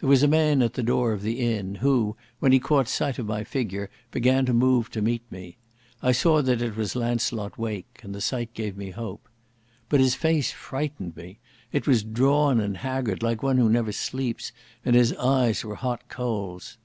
There was a man at the door of the inn, who, when he caught sight of my figure, began to move to meet me. I saw that it was Launcelot Wake, and the sight gave me hope. But his face frightened me. It was drawn and haggard like one who never sleeps, and his eyes were hot coals.